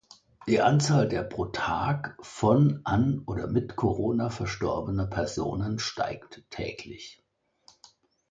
Die Anzahl der pro Tag von an oder mit Corona verstorbener Personen steigt täglich.